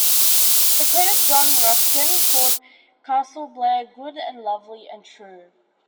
The critic John Ruskin called "Castle Blair" "good, and lovely, and true".